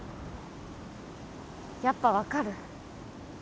やっぱ分かる？